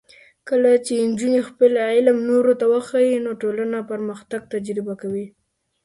کله چې نجونې خپل علم نورو ته وښيي، نو ټولنه پرمختګ تجربه کوي.